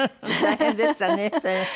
大変でしたねそれ。